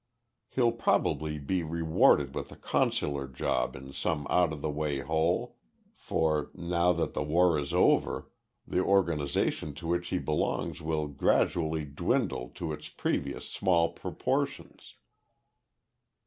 He'll probably be rewarded with a consular job in some out of the way hole, for, now that the war is over, the organization to which he belongs will gradually dwindle to its previous small proportions.